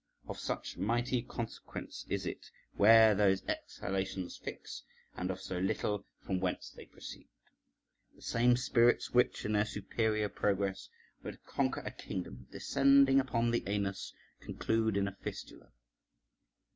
Of such mighty consequence is it where those exhalations fix, and of so little from whence they proceed. The same spirits which in their superior progress would conquer a kingdom descending upon the anus, conclude in a fistula.